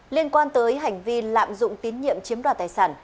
liên quan tới hành vi lạm dụng tín nhiệm chiếm đoạt tài sản